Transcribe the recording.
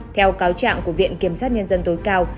theo cáo trạng của viện kiểm sát nhân dân tối cao